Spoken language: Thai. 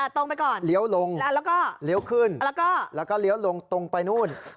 ตรงไปก่อนเลี้ยวลงแล้วก็เลี้ยวขึ้นแล้วก็เลี้ยวลงตรงไปนู่น